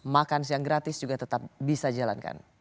makans yang gratis juga tetap bisa jalankan